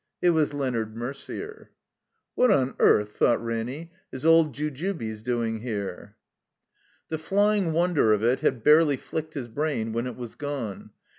It was I^eonard Merder. "What on earth," thought Raxmy, "is old Ju jubes doing here?" The flying wonder of it had barely flicked his brain when it was gone.